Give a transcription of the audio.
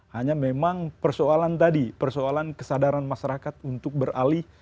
hanya memang persoalan tadi persoalan kesadaran masyarakat untuk beralih